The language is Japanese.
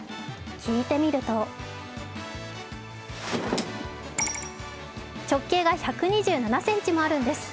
開いてみると直径が１２７ｃｍもあるんです。